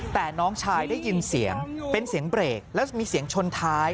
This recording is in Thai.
แต่น้องชายได้ยินเสียงเป็นเสียงเบรกแล้วมีเสียงชนท้าย